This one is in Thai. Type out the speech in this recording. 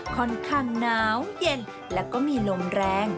ค่อนข้างหนาวเย็นและก็มีลมแรง